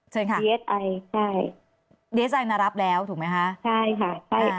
เชิญค่ะใช่ได้รับแล้วถูกไหมฮะใช่ค่ะใช่